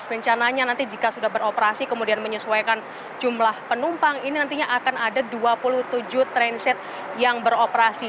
rencananya nanti jika sudah beroperasi kemudian menyesuaikan jumlah penumpang ini nantinya akan ada dua puluh tujuh transit yang beroperasi